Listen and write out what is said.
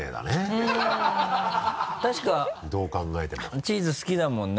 確かチーズ好きだもんね。